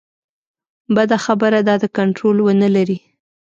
بده خبره دا ده کنټرول ونه لري.